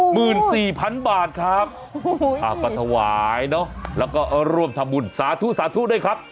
หมื่นสี่พันบาทครับอ่าก็ถวายเนอะแล้วก็ร่วมทำบุญสาธุสาธุด้วยครับ